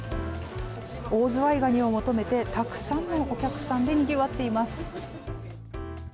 オオズワイガニを求めてたくさんのお客さんでにぎわっています。